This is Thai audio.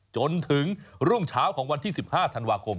จนถึงรุ่งเช้าของวันที่๑๕ธันวาคม